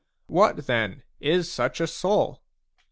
What, then, is such a soul?